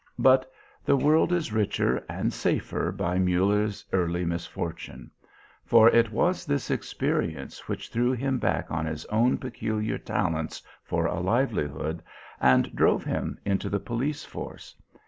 But the world is richer, and safer, by Muller's early misfortune. For it was this experience which threw him back on his own peculiar talents for a livelihood, and drove him into the police force.